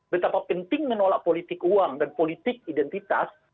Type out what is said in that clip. betapa penting menolak politik uang dan politik identitas